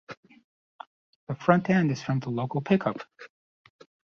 The front end is from the local Pickup.